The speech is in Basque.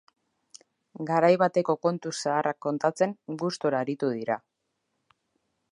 Garai bateko kontu zaharrak kontatzen gustora aritu dira.